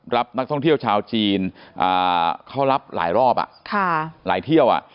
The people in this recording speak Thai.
รับนักท่องเที่ยวชาวจีนเขารับหลายรอบหลายเที่ยว